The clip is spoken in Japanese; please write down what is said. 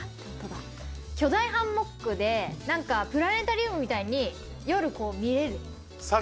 巨大ハンモックでプラネタリウムみたいに夜こう見える。